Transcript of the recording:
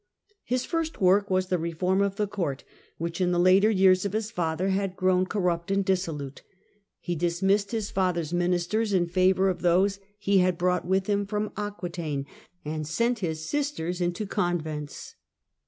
His first work was the reform of the court, which in the later years of his father had grown corrupt and dissolute. He dismissed his father's ministers in favour of those he brought with him from Aquetaine, and sent his sisters into convents.